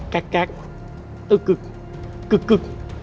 แก๊กแก๊กอึกอึกอึกอึก